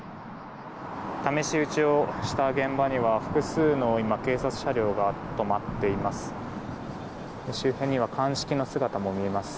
試し撃ちをした現場には複数の警察車両が止まっています。